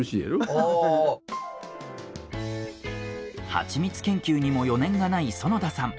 ハチミツ研究にも余念がない園田さん。